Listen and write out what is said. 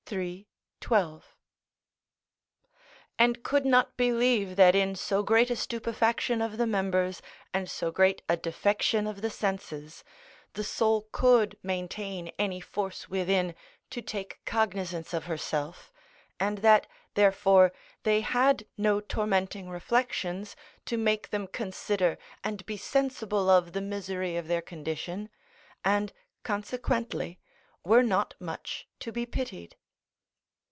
3, 12.] and could not believe that in so great a stupefaction of the members and so great a defection of the senses, the soul could maintain any force within to take cognisance of herself, and that, therefore, they had no tormenting reflections to make them consider and be sensible of the misery of their condition, and consequently were not much to be pitied.